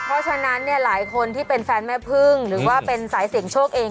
เพราะฉะนั้นเนี่ยหลายคนที่เป็นแฟนแม่พึ่งหรือว่าเป็นสายเสี่ยงโชคเอง